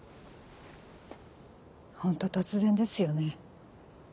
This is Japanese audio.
ホント突然ですよね。